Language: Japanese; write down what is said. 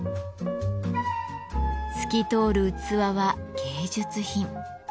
透き通る器は芸術品。